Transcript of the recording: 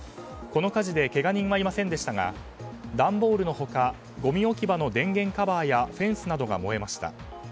この火事でけが人はいませんでしたが段ボールの他ごみ置き場の電源カバーやフェンスなどが燃えました。